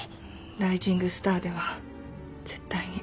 ライジングスターでは絶対に。